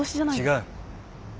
違う。